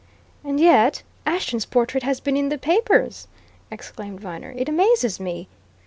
"And yet Ashton's portrait has been in the papers!" exclaimed Viner. "It amazes me!"